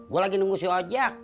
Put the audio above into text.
gue lagi nunggu si objek